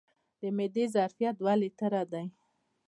د معدې ظرفیت دوه لیټره دی.